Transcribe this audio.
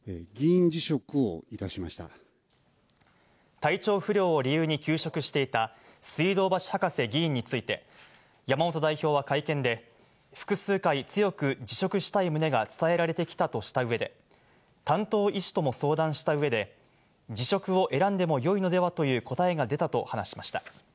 体調不良を理由に休職していた水道橋博士議員について、山本代表は会見で、複数回、強く辞職したい旨が伝えられてきたとした上で、担当医師とも相談した上で辞職を選んでも良いのではという答えが出たと話しました。